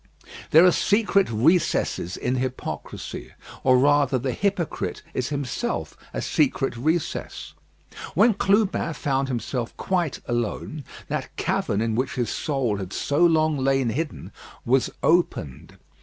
There are secret recesses in hypocrisy; or rather the hypocrite is himself a secret recess. When Clubin found himself quite alone, that cavern in which his soul had so long lain hidden, was opened.